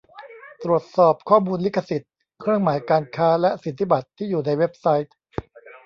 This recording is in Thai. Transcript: ตรวจสอบข้อมูลลิขสิทธิ์เครื่องหมายการค้าและสิทธิบัตรที่อยู่ในเว็บไซต์